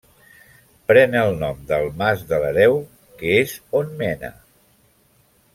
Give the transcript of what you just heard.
Pren el nom del Mas de l'Hereu, que és on mena.